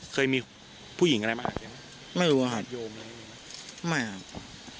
เคยมีผู้หญิงอะไรมาหาที่นี่ไหมไม่รู้ครับไม่ครับ